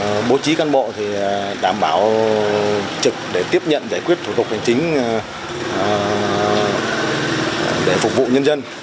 các cán bộ thì đảm bảo trực để tiếp nhận giải quyết thủ tục hành chính để phục vụ nhân dân